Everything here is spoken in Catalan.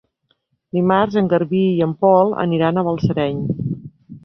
Dimarts en Garbí i en Pol aniran a Balsareny.